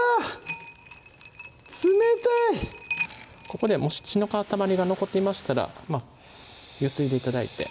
ここでもし血の塊が残っていましたらゆすいで頂いて